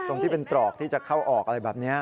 ตรงที่เป็นตรอกที่จะเข้าออกอะไรแบบนี้